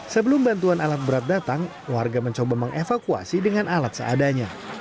sebelum bantuan alat berat datang warga mencoba mengevakuasi dengan alat seadanya